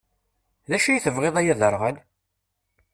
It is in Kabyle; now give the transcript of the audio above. D acu i tebɣiḍ, ay aderɣal?